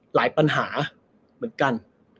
ปัญหาเหมือนกัน